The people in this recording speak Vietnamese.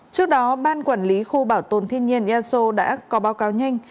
trước đó ban quản lý khu bảo tồn thiên nhiên eso đã có báo cáo nhanh